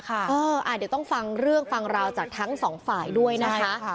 เดี๋ยวต้องฟังเรื่องฟังราวจากทั้งสองฝ่ายด้วยนะคะ